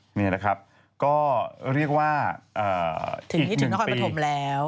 ถึงที่ถือของข้าปฐมแล้ว